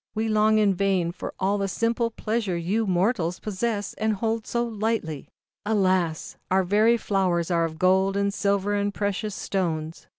We long in vain for ZAUBERLINDA, THE WISE WITCH. 145 all the simple pleasure you Mortals possess and hold so lightly. "Alas! our very flowers are of gold and silver and precious stones."